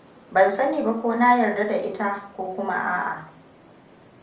Ban sani ba ko na yarda da ita ko kuma a'a.